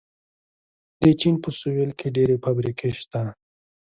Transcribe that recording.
د چین په سویل کې ډېرې فابریکې شته.